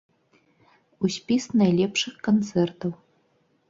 У спіс найлепшых канцэртаў.